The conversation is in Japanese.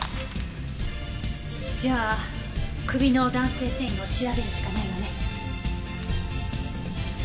じゃあ首の弾性繊維を調べるしかないわね。